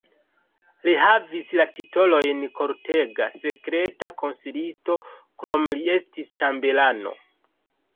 Li havis la titolojn kortega sekreta konsilisto, krome li estis ĉambelano.